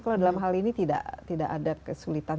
kalau dalam hal ini tidak ada kesulitan